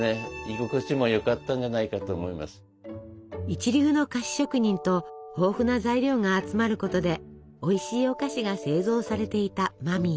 一流の菓子職人と豊富な材料が集まることでおいしいお菓子が製造されていた間宮。